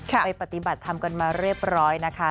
ไปปฏิบัติทำกันมาเรียบร้อยนะคะ